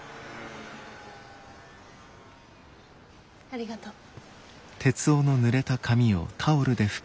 ありがとう。